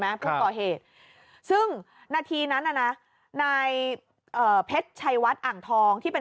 ไหมพวกเกาะเหตุซึ่งนาทีนั้นนะนายเพชรชายวัดอ่างทองที่เป็น